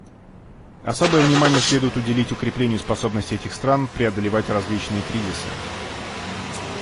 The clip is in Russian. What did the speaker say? Особое внимание следует уделить укреплению способности этих стран преодолевать различные кризисы.